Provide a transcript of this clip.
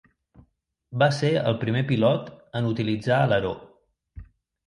Va ser el primer pilot en utilitzar aleró.